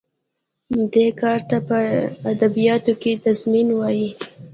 دې کار ته په ادبیاتو کې تضمین وايي.